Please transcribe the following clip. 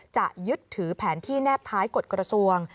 จะยึดถือแผนที่แนบท้ายกฎกระทรวง